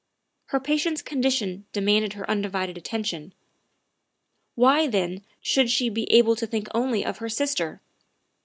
Her patient's condition de manded her undivided attention. Why, then, should she be able to think only of her sister?